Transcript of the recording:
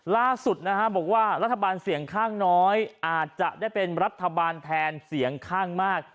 ล่าสุดนะฮะบอกว่ารัฐบาลเสียงข้างน้อยอาจจะได้เป็นรัฐบาลแทนเสียงข้างมาก